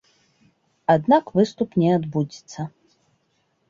Аднак выступ не адбудзецца.